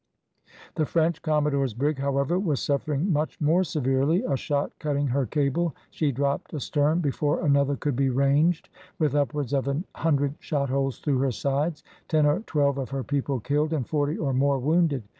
The French commodore's brig, however, was suffering much more severely, a shot cutting her cable she dropped astern before another could be ranged, with upwards of an hundred shot holes through her sides, ten or twelve of her people killed, and forty, or more, wounded.